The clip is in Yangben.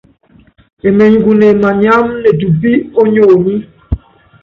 Emenyi kune manyiáma netupí ónyonyí.